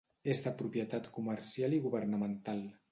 És de propietat comercial i governamental.